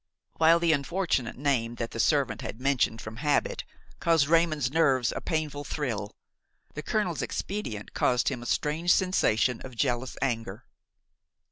While the unfortunate name that the servant had mentioned from habit caused Raymon's nerves a painful thrill, the colonel's expedient caused him a strange sensation of jealous anger.